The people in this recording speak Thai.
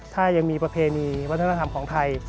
ถ้ายังมีประเพณีวัฒนธรรมของไทย